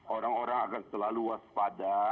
orang orang akan selalu waspada